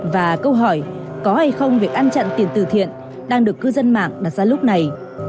và câu hỏi có hay không việc ăn chặn tiền từ thiện đang được cư dân mạng đặt ra lúc này